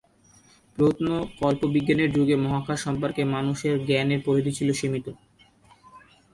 প্রত্ন-কল্পবিজ্ঞানের যুগে মহাকাশ সম্পর্কে মানুষের জ্ঞানের পরিধি ছিল সীমিত।